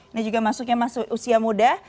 ini juga masuknya masuk usia muda